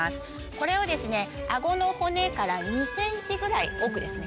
これをあごの骨から２ｃｍぐらい奥ですね